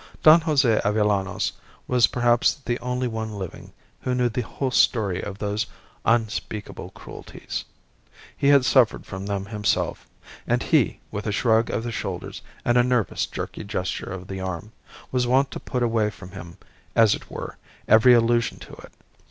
Don Jose Avellanos was perhaps the only one living who knew the whole story of those unspeakable cruelties. He had suffered from them himself, and he, with a shrug of the shoulders and a nervous, jerky gesture of the arm, was wont to put away from him, as it were, every allusion to it.